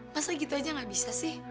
masa gitu aja gak bisa sih